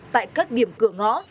tại các điểm cửa ngõ